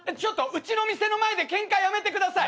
うちの店の前でケンカやめてください。